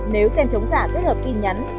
nếu tem chống giả kết hợp tin nhắn